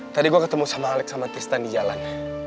tadi gue ketemu sama alex sama tistlan di jalan